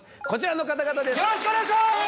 こちらの方々です